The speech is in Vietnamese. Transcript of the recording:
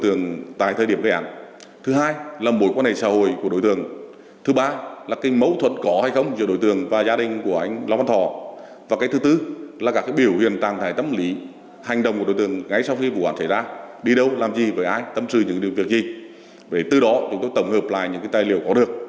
từ đó chúng tôi tổng hợp lại những tài liệu có được